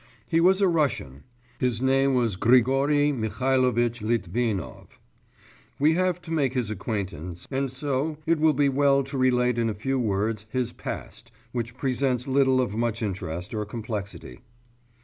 He was a Russian; his name was Grigory Mihalovitch Litvinov. We have to make his acquaintance, and so it will be well to relate in a few words his past, which presents little of much interest or complexity.